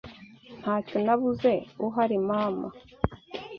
ntacyo nabuze uhari mama ”